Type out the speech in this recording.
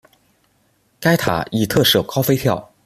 该塔亦特设高飞跳。